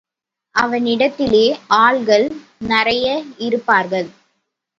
அவனிடத்திலே ஆள்கள் நிறைய இருப்பார்கள்.